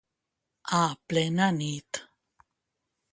A plena nit.